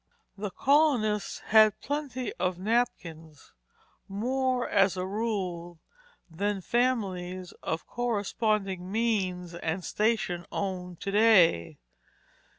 The colonists had plenty of napkins; more, as a rule, than families of corresponding means and station own to day.